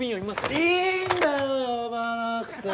いいんだよ呼ばなくて！